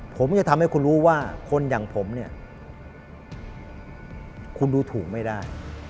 ผมจะทำให้คุณรู้ว่าคนอย่างผมเนี่ยคุณดูถูกไม่ได้